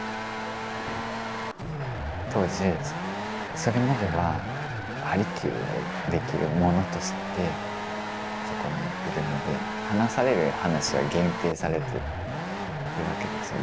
当時それまでは鍼灸をできる者としてそこにいるので話される話は限定されてるわけですよね。